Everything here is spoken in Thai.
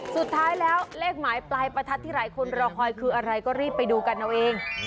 สุดท้ายแล้วเลขหมายปลายประทัดที่หลายคนรอคอยคืออะไรก็รีบไปดูกันเอาเอง